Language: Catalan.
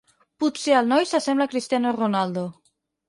Potser el noi s'assembla a Cristiano Ronaldo.